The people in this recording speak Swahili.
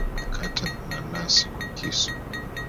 Kata nanasi kwa kisu.